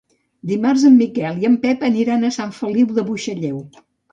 Dimarts en Miquel i en Pep aniran a Sant Feliu de Buixalleu.